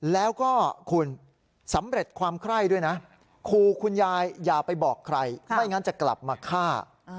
และความไคร้ด้วยนะคูณยายอย่าไปบอกใครไม่งั้นจะกลับมาฆ่า